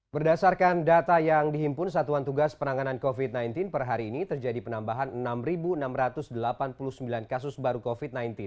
berdasarkan data yang dihimpun satuan tugas penanganan covid sembilan belas per hari ini terjadi penambahan enam enam ratus delapan puluh sembilan kasus baru covid sembilan belas